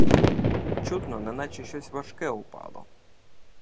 Чутно, неначе щось важке упало.